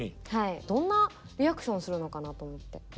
どんなリアクションするのかなと思って。